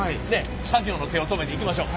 作業の手を止めていきましょう。